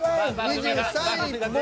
２３位。